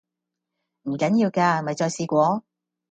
唔緊要㗎，咪再試過